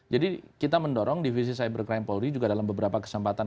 jadi kita mendorong divisi cybercrime polri juga dalam beberapa kesempatan